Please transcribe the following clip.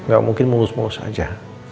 gak mungkin mulus mulus saja